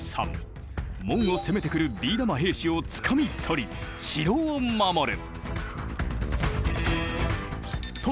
門を攻めてくるビー玉兵士をつかみ取り城を守る。